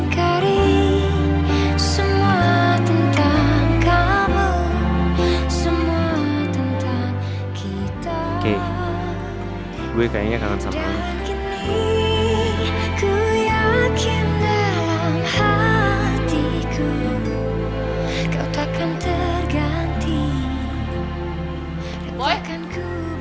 kau takkan ku berpaling